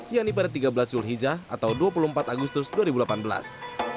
yang ibarat tiga belas julhijjah atau dua puluh empat agustus dua ribu delapan belas